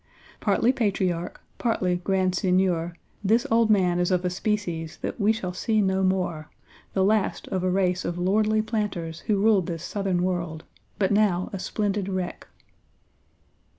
Partly patriarch, partly grand seigneur, this old man is of a species that we shall see no more; the last of a race of lordly planters who ruled this Southern world, but now a splendid wreck."